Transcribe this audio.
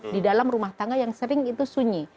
di dalam rumah tangga yang sering itu sunyi